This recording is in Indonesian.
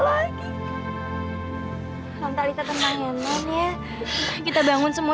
aku jadi gak tegang liat ini semua